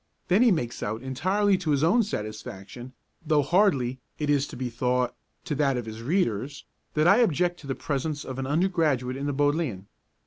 Then he makes out entirely to his own satisfaction, though hardly, it is to be thought, to that of his readers, that I object to the presence of an undergraduate in the Bodleian.